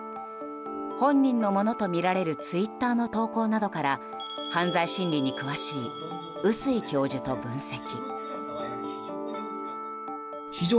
本人のものとみられるツイッターの投稿などから犯罪心理に詳しい碓井教授と分析。